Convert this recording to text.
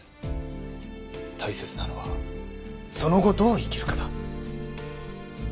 大切なのはその後どう生きるかだ。